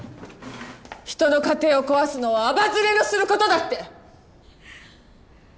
人の家庭を壊すのはアバズレのすることだって！